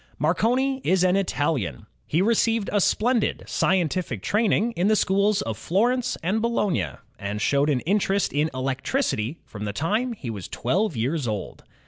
Marconi is an Italian. He received a splendid scien tific training in the schools of Florence and Bologna, and showed an interest in electricity from the time he was twelve years old.